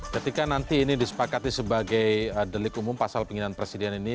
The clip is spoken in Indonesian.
ketika nanti ini disepakati sebagai delik umum pasal penghinaan presiden ini